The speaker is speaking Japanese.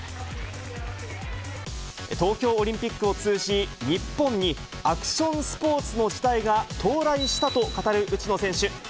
東京オリンピックを通じ、日本にアクションスポーツの時代が到来したと語る内野選手。